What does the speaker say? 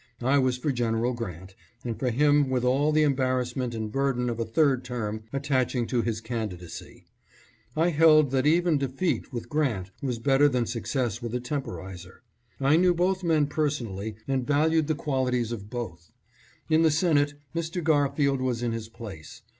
I was for General Grant, and for him with all the embarrassment and burden of a " third term" attaching to his candidacy. I held that even defeat with Grant was better than success with a tem porizer. I knew both men personally and valued the qualities of both. In the Senate Mr. Garfield was in his place.